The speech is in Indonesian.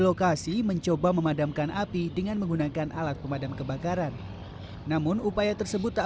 lokasi mencoba memadamkan api dengan menggunakan alat pemadam kebakaran namun upaya tersebut tak